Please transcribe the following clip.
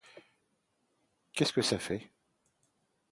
Qu'est-ce que ça fait ?